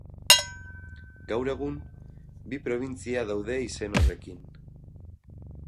Gaur egun bi probintzia daude izen horrekin.